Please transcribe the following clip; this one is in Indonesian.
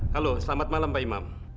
halo selamat malam pak imam